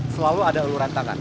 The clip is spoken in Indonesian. selalu ada uluh rentangan